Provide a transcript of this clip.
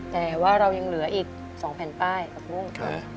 แต่ว่าเรายังเหลืออีก๒แผ่นป้ายกับเรื่องนี้